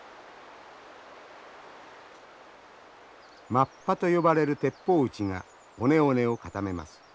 マッパと呼ばれる鉄砲撃ちが尾根尾根を固めます。